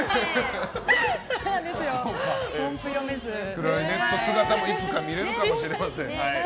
クラリネット姿がいつか見れるかもしれません。